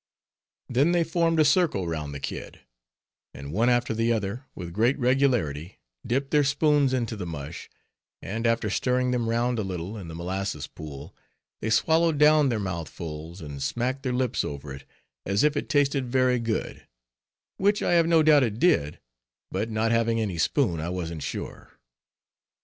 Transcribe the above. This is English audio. Then they all formed a circle round the kid; and one after the other, with great regularity, dipped their spoons into the mush, and after stirring them round a little in the molasses pool, they swallowed down their mouthfuls, and smacked their lips over it, as if it tasted very good; which I have no doubt it did; but not having any spoon, I wasn't sure.